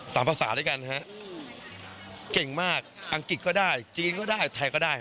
ภาษาด้วยกันฮะเก่งมากอังกฤษก็ได้จีนก็ได้ไทยก็ได้